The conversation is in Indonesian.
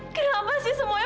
aku dipecat rejoyu